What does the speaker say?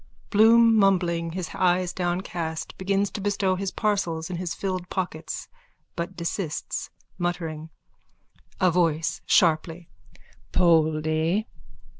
(Bloom, mumbling, his eyes downcast, begins to bestow his parcels in his filled pockets but desists, muttering.) A VOICE: (Sharply.) Poldy!